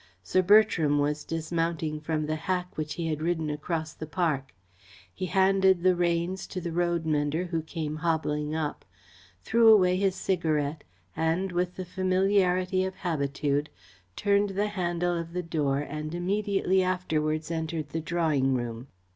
Sir Bertram was dismounting from the hack which he had ridden across the park. He handed the reins to the roadmender who came hobbling up, threw away his cigarette, and, with the familiarity of habitude, turned the handle of the door and immediately afterwards entered the drawing room.